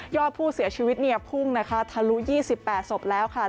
อดผู้เสียชีวิตเนี่ยพุ่งนะคะทะลุ๒๘ศพแล้วค่ะ